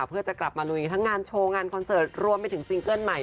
เพื่อจะกลับมาลุยทั้งงานโชว์งานคอนเสิร์ตรวมไปถึงซิงเกิ้ลใหม่